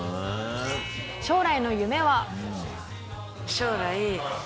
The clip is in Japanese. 将来の夢は。